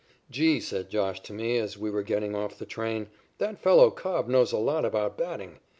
"Gee," said "Josh" to me, as we were getting off the train, "that fellow Cobb knows a lot about batting.